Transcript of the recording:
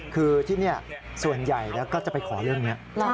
คือที่นี่ส่วนใหญ่ก็จะไปขอเรื่องนี้